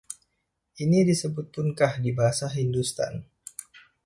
Ini disebut punkah di bahasa Hindustan.